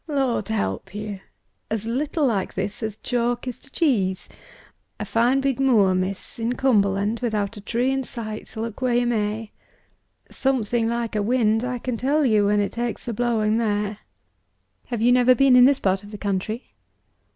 "Lord help you! As little like this as chalk is to cheese. A fine big moor, miss, in Cumberland, without a tree in sight look where you may. Something like a wind, I can tell you, when it takes to blowing there." "Have you never been in this part of the country?"